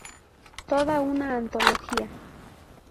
Toda una antología.